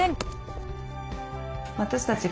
私たち